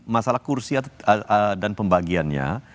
masalah kursi dan pembagiannya